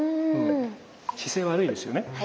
姿勢悪いですよね。